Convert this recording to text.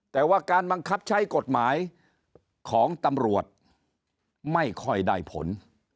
แต่ว่าการบังคับใช้กฎหมายของตำรวจไม่ค่อยได้ผล